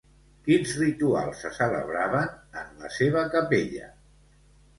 Quins rituals se celebraven en la seva capella?